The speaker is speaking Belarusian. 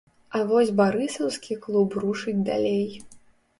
А вось барысаўскі клуб рушыць далей.